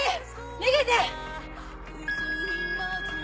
逃げて！